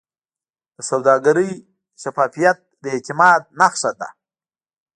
د سوداګرۍ شفافیت د اعتماد نښه ده.